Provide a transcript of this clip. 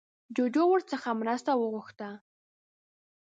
جوجو ورڅخه مرسته وغوښته